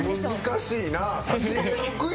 難しいな。